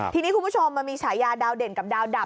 ทีนี้คุณผู้ชมมันมีฉายาดาวเด่นกับดาวดับ